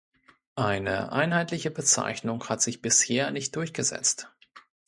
Eine einheitliche Bezeichnung hat sich bisher nicht durchgesetzt.